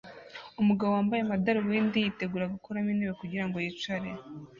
Umugabo wambaye amadarubindi yitegura gukuramo intebe kugirango yicare